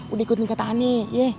udah ikutin katanya